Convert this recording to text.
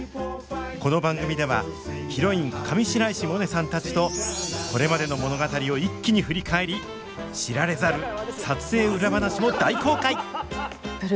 この番組ではヒロイン上白石萌音さんたちとこれまでの物語を一気に振り返り知られざる撮影裏話も大公開！